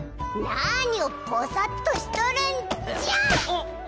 なにをボサッとしとるんじゃ！